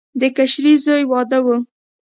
د کشري زوی واده و.